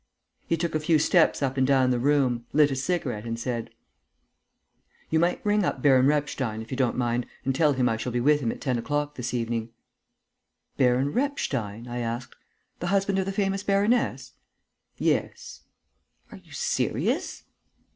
He took a few steps up and down the room, lit a cigarette and said: "You might ring up Baron Repstein, if you don't mind, and tell him I shall be with him at ten o'clock this evening." "Baron Repstein?" I asked. "The husband of the famous baroness?" "Yes." "Are you serious?"